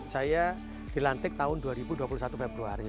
saya dilantik tahun dua ribu dua puluh satu februari